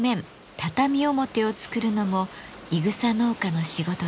畳表を作るのもいぐさ農家の仕事です。